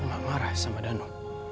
uma marah sama danu